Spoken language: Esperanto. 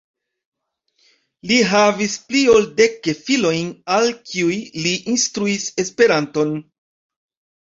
Li havis pli ol dek gefilojn al kiuj li instruis Esperanton.